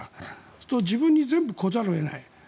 そうすると自分に全部来ざるを得ない。